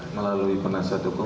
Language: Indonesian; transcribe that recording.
melalui penasihat hukum